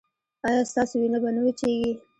ایا ستاسو وینه به نه وچیږي؟